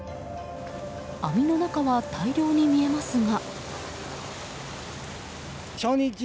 網の中は大漁に見えますが。